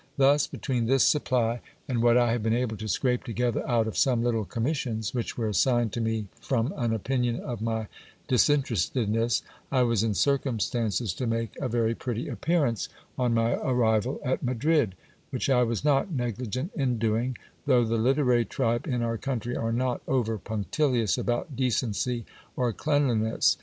Thus, between this supply and what I have been able to scrape together out of some little commissions, which were assigned to me from an opinion of my disinterestedness, I was in circumstances to make a very pretty appearance on my arrival at Madrid ; which I was not negligent in doing, though the literary tribe in our country are not over punctilious about decency or cleanliness.